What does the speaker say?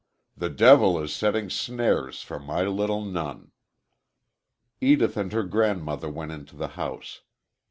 "The devil is setting snares for my little nun." Edith and her grandmother went into the house.